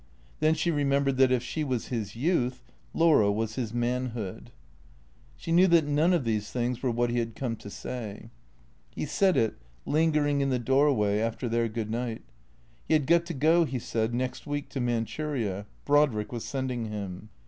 Then she remembered that, if she was his youth, Laura was his manhood. She knew that none of these things were what he had come to say. He said it lingering in the doorway, after their good night. He had got to go, he said, next week to Manchuria. Brodrick was sending him.